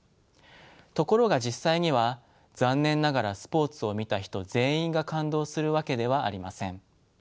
ところが実際には残念ながらスポーツを見た人全員が感動するわけではありません。